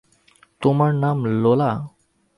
তোমার নাম লোলা?